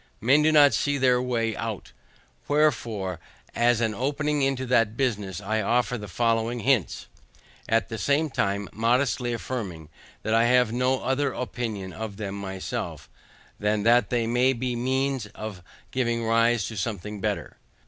Men do not see their way out Wherefore, as an opening into that business, I offer the following hints; at the same time modestly affirming, that I have no other opinion of them myself, than that they may be the means of giving rise to something better.